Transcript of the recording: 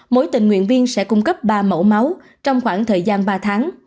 mỗi tình nguyện viên sẽ cung cấp ba mẫu máu trong khoảng thời gian ba tháng